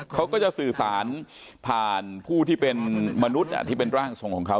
เขาก็จะสื่อสารผ่านผู้ที่เป็นมนุษย์ที่เป็นร่างทรงของเขา